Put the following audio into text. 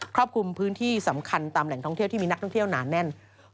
รอบคลุมพื้นที่สำคัญตามแหล่งท่องเที่ยวที่มีนักท่องเที่ยวหนาแน่น